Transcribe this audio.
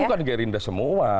itu bukan gerindra semua